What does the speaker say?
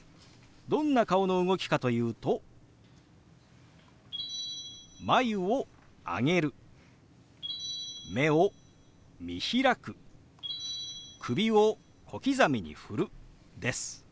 どんな顔の動きかというと眉を上げる目を見開く首を小刻みに振るです。